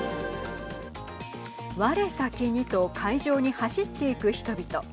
われさきにと会場に走っていく人々。